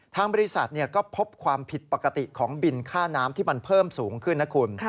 ทางบริษัทก็พบความผิดปกติของบินค่าน้ำที่มันเพิ่มสูงขึ้นนะคุณ